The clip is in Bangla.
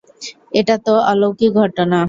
এটা তো অলৌকিক ঘটনা।